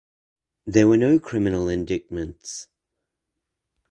There were no criminal indictments.